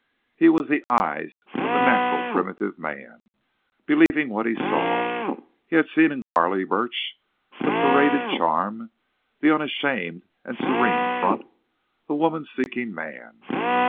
He was the eyes of the natural primitive man, believing what he saw. He had seen in Carley Burch the paraded charm, the unashamed and serene front, the woman seeking man.